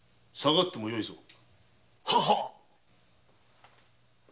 さがってもよいぞ。